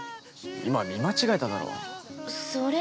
今、見間違えただろう。